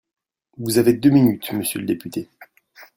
Vous avez deux minutes, monsieur le député.